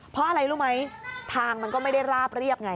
เพราะอะไรรู้ไหมทางมันก็ไม่ได้ราบเรียบไง